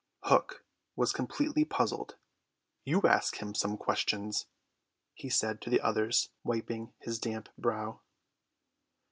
Hook was completely puzzled. "You ask him some questions," he said to the others, wiping his damp brow.